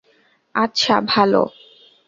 আচ্ছা, ভালো।